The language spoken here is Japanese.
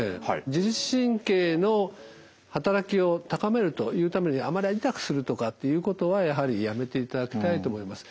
自律神経の働きを高めるというためにあまり痛くするとかっていうことはやはりやめていただきたいと思います。